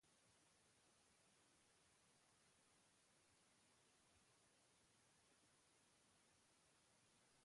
Prezioek, berriz, bere horretan jarraitu dute apirileko datuekin alderatuta.